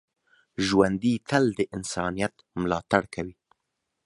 ژوندي تل د انسانیت ملاتړ کوي